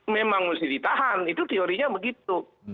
memang mesti ditahan itu teorinya begitu